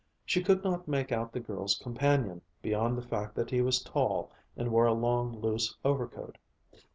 She could not make out the girl's companion, beyond the fact that he was tall and wore a long, loose overcoat.